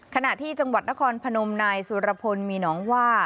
ขณะที่จังหวัดนครพนมนายสุรพลมีหนองว่า